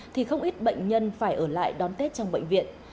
thì không ít bệnh nhân phải ở lại đón tết trong bệnh viện